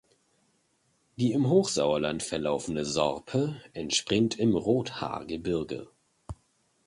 Die im Hochsauerland verlaufende Sorpe entspringt im Rothaargebirge.